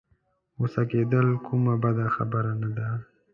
غوسه کېدل کومه بده خبره نه ده.